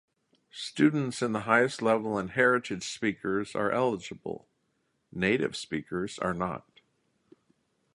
Students in the highest level and heritage speakers are eligible; native speakers are not.